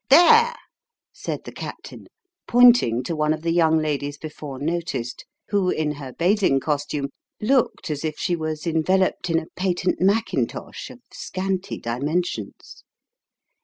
" There !" said the captain, pointing to one of the young ladies before noticed, who, in her bathing costume, looked as if she was enveloped in a patent Mackintosh, of scanty dimensions.